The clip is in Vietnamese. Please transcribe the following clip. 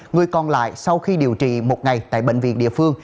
người còn lại sau khi điều trị một ngày tại bệnh viện địa phương